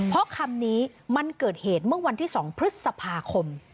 เพราะคำนี้มันเกิดเหตุเมื่อวันที่๒พฤษภาคม